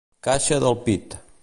Caixa del pit.